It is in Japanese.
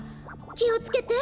きをつけて。